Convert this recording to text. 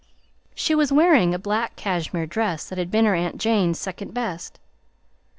She was wearing a black cashmere dress that had been her aunt Jane's second best.